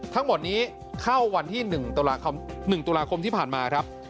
ทั้งหมดนี้เข้าวันที่๑ตุลาคมที่ผ่านมาครับ